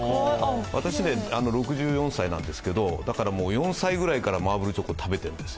私、６４歳なんですけどだから、４歳くらいからマーブルチョコ、食べてるんです。